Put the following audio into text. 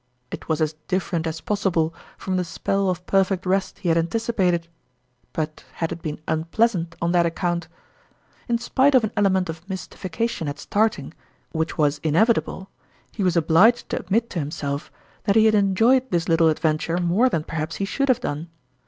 It was as different as possible from the spell of perfect rest he had anticipated; but had it been unpleasant on that account ? In spite of an element of mys tification at starting, which was inevitable, he was obliged to admit to himself that he had enjoyed this little adventure more than per haps he should have done.